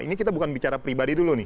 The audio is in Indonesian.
ini kita bukan bicara pribadi dulu nih